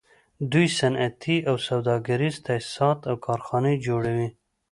دوی صنعتي او سوداګریز تاسیسات او کارخانې جوړوي